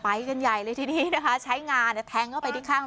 ไปกันใหญ่เลยทีนี้นะคะใช้งานแทงเข้าไปที่ข้าง